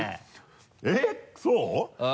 えっそう？